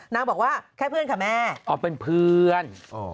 นางบอกว่าแค่เพื่อนค่ะแม่อ๋อเป็นเพื่อน